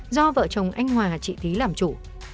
do vợ chồng anh hòa chị tí làm chủ